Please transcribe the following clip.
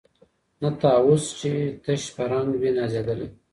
نه طاووس چي تش په رنګ وي نازېدلی